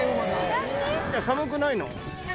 寒くないの？